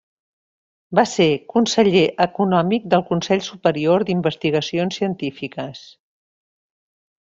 Va ser conseller econòmic del Consell Superior d'Investigacions Científiques.